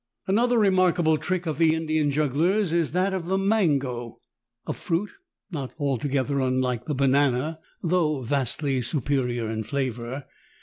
Another remarkable trick of the Indian jugglers is that of the mango, a fruit not altogether unlike the banana, thought vastly superior in flavor.